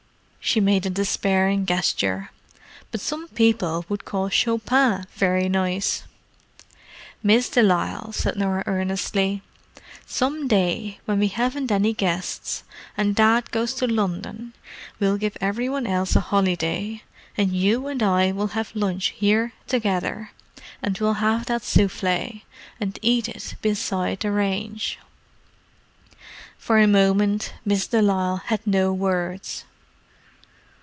'" She made a despairing gesture. "But some people would call Chopin 'very nice'!" "Miss de Lisle," said Norah earnestly, "some day when we haven't any guests and Dad goes to London, we'll give every one else a holiday and you and I will have lunch here together. And we'll have that souffle, and eat it beside the range!" For a moment Miss de Lisle had no words.